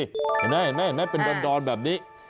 เห็นไหมเป็นดอนแบบนี้